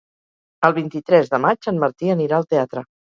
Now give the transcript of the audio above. El vint-i-tres de maig en Martí anirà al teatre.